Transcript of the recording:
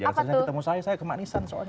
jangan selesai ketemu saya saya kemanisan soalnya